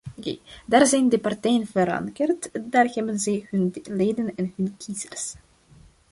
Daar zijn de partijen verankerd, daar hebben zij hun leden en hun kiezers.